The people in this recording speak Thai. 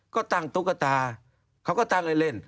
ก็ตั้งตุ๊กตาเขาก็ตั้งเล่น